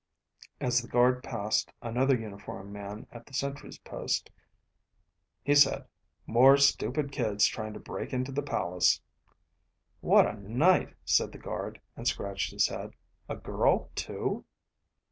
As the guard passed another uniformed man at the Sentry's post, he said, "More stupid kids trying to break into the palace." "What a night," said the guard and scratched his head. "A girl too?"